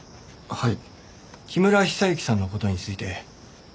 はい。